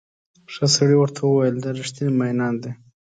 ښه سړي ورته وویل دا ریښتیني مئینان دي.